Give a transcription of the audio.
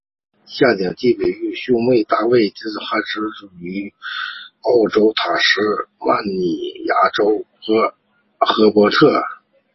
夏鼎基与其兄妹大卫及帕米娜皆生于澳洲塔斯曼尼亚州荷伯特。